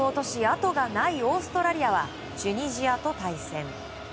あとがないオーストラリアはチュニジアと対戦。